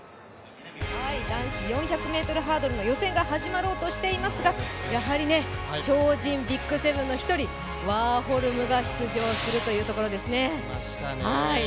男子４００ｍハードルの予選が始まろうとしていますが超人ＢＩＧ７の一人ワーホルムが出場するというところですね。